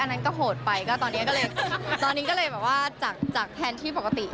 อันนั้นก็โหดไปก็ตอนนี้ก็เลยจากที่ปกติ